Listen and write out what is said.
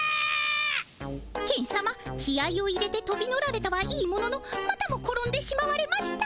ケンさま気合いを入れてとび乗られたはいいもののまたも転んでしまわれました。